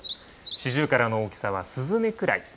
シジュウカラの大きさはスズメくらい。